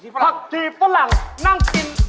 ปลาขีฝรั่ง